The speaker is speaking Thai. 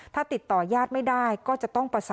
ถ้าติดต่อยาดไม่ได้ก็จะต้องประสาน